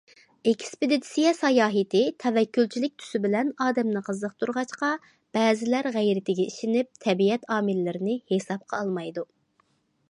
ئېكسپېدىتسىيە ساياھىتى تەۋەككۈلچىلىك تۈسى بىلەن ئادەمنى قىزىقتۇرغاچقا، بەزىلەر غەيرىتىگە ئىشىنىپ، تەبىئەت ئامىللىرىنى ھېسابقا ئالمايدۇ.